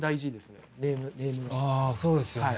あそうですよね。